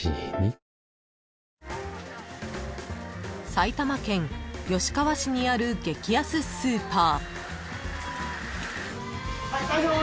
［埼玉県吉川市にある激安スーパー］